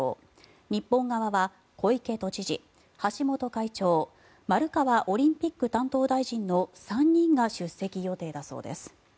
日本側は小池都知事、橋本会長丸川オリンピック担当大臣の３人が出席予定だそうです。